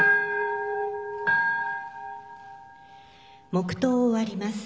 黙とうを終わります。